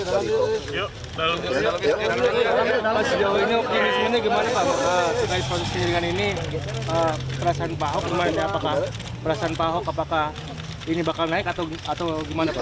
pas jauh ini kemungkinannya gimana pak sekali sekali dengan ini perasaan pak ahok gimana apakah perasaan pak ahok ini bakal naik atau gimana pak